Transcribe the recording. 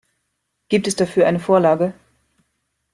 Gibt es dafür eine Vorlage?